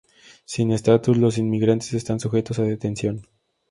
Sin estatus, los inmigrantes están sujetos a detención.